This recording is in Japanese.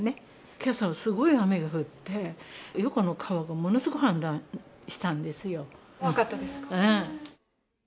けさはすごい雨が降って、横の川がものすごい氾濫したんで怖かったですか？